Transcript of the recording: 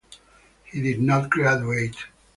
He did not graduate.